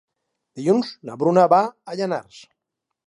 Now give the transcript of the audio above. Dilluns na Bruna va a Llanars.